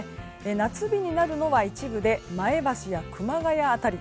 夏日になるのは一部で前橋や熊谷辺り。